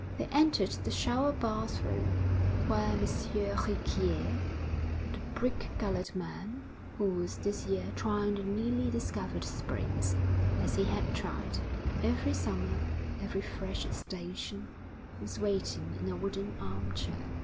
They entered the shower bath room, where M. Riquier, the brick colored man, who was this year trying the newly discovered springs, as he had tried, every summer, every fresh station, was waiting in a wooden armchair.